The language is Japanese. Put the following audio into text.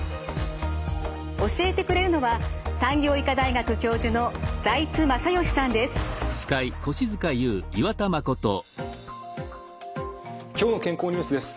教えてくれるのは「きょうの健康ニュース」です。